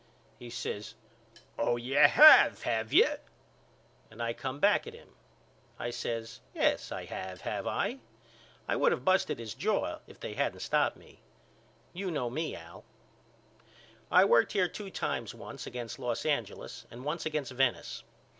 He says Oh you have have you? And I come back at him. I says Yes I have have I? I would of busted his jaw if they hadn't stopped me. You know me Al. I worked here two times once against Los Angeles and once against Venice.